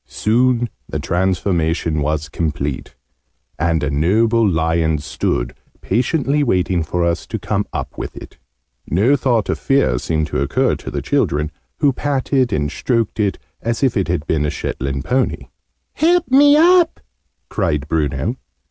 Soon the transformation was complete: and a noble lion stood patiently waiting for us to come up with it. No thought of fear seemed to occur to the children, who patted and stroked it as if it had been a Shetland pony. {Image...The mouse lion} "Help me up!" cried Bruno.